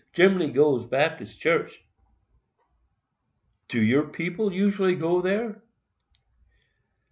Gen'lly goes Baptist church." "Do your people usually go there?"